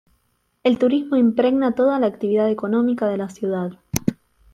El turismo impregna toda la actividad económica de la ciudad.